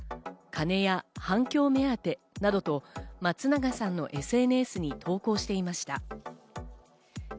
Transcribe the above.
「金や反響目当て」などと松永さんのＳＮＳに投稿していました。